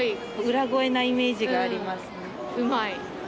裏声なイメージがありますね。